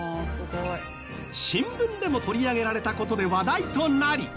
新聞でも取り上げられた事で話題となり。